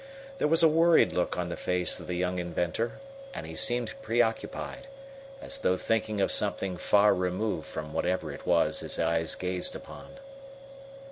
There was a worried look on the face of the young inventor, and he seemed preoccupied, as though thinking of something far removed from whatever it was his eyes gazed upon.